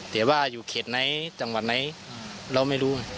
แต่ว่าอยู่เขตไหนจังหวัดไหนเราไม่รู้